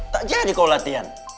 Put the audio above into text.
tak jadi kau latihan